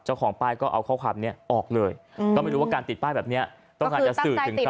เจ้าของป้ายก็เอาข้อความนี้ออกเลยก็ไม่รู้ว่าการติดป้ายแบบนี้ต้องการจะสื่อถึงใคร